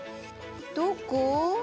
どこ？